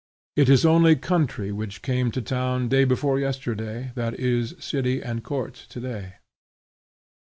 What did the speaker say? It is only country which came to town day before yesterday that is city and court today.